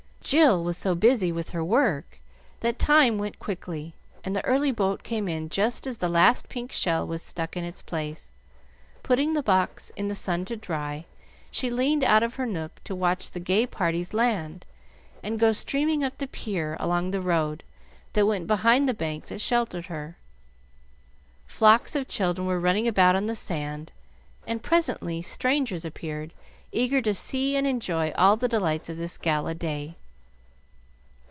Jill was so busy with her work that time went quickly, and the early boat came in just as the last pink shell was stuck in its place. Putting the box in the sun to dry, she leaned out of her nook to watch the gay parties land, and go streaming up the pier along the road that went behind the bank that sheltered her. Flocks of children were running about on the sand, and presently strangers appeared, eager to see and enjoy all the delights of this gala day.